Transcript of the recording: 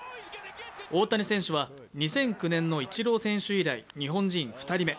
大谷選手は２００９年のイチロー選手以来、日本人２人目。